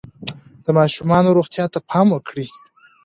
د ماشومانو روغتیا ته پام وکړئ.